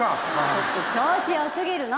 ちょっと調子よすぎるの。